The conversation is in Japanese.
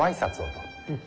うん。